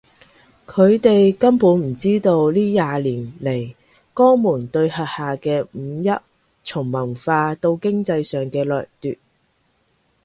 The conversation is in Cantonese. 佢哋根本唔知道呢廿年嚟江門對轄下嘅五邑從文化到經濟上嘅掠奪